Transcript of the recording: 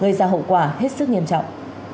gây ra hậu quả hết sức nghiêm trọng